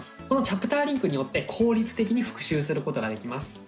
このチャプターリンクによって効率的に復習することができます。